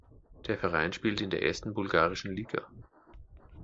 Der Verein spielt in der ersten bulgarischen Liga.